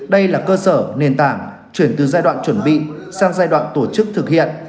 đây là cơ sở nền tảng chuyển từ giai đoạn chuẩn bị sang giai đoạn tổ chức thực hiện